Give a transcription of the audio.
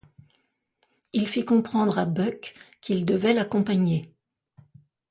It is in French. Il fit comprendre à Buck qu’il devait l’accompagner.